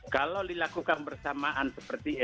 kalau dilakukan bersamaan seperti